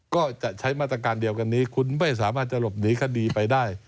ก็จะใช้มาตรการเดียวกันนี้คุณไม่สามารถจะหลบหนีคดีไปได้